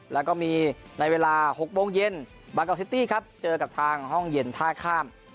แล้วก็มีในเวลา๖โมงเย็นบางกอกซิตี้ครับเจอกับทางห้องเย็นท่าข้าม